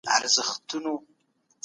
دغه نجلۍ ډېره ښه پوهنه لري.